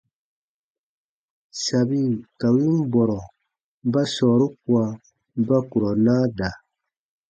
Sabi ka win bɔrɔ ba sɔɔru kua ba kurɔ naa da.